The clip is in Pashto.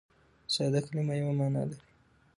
ساده کلیمه یوه مانا لري.